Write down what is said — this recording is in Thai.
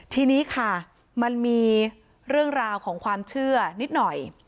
ทีนี้ค่ะมันมีเรื่องราวของความเชื่อนิดหน่อย